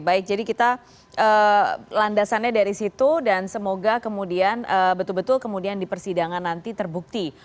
baik jadi kita landasannya dari situ dan semoga kemudian betul betul kemudian di persidangan nanti terbukti